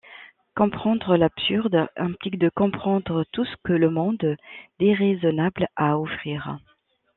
Comprendre l'absurde implique de comprendre tout ce que le monde déraisonnable a à offrir.